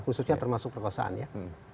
khususnya termasuk perkosaan ya